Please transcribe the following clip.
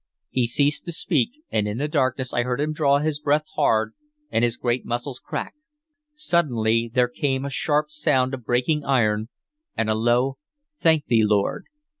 He ceased to speak, and in the darkness I heard him draw his breath hard and his great muscles crack. Suddenly there came a sharp sound of breaking iron, and a low "Thank Thee, Lord!"